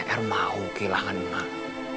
er mau kehilangan emak